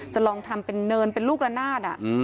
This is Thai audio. จะลองทำเป็นเนินเป็นลูกละนาด